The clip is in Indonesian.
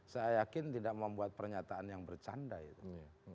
saya yakin tidak membuat pernyataan yang bercanda itu